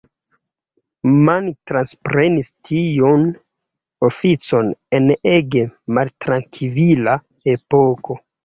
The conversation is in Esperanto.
Mann transprenis tiun oficon en ege maltrankvila epoko.